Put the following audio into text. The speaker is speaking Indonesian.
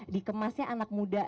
dikemasnya anak muda